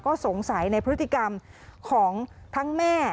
ก็สงสัยในพฤติกรรมของทั้งแม่